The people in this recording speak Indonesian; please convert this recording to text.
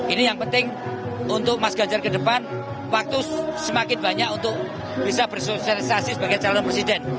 ini yang penting untuk mas ganjar ke depan waktu semakin banyak untuk bisa bersosialisasi sebagai calon presiden